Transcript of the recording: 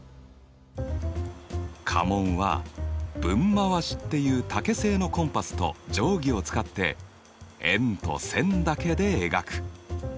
家紋はぶん回っていう竹製のコンパスと定規を使って円と線だけで描く。